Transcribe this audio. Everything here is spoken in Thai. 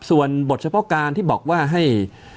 ส่วนบทเฉพาะการที่บอกว่าให้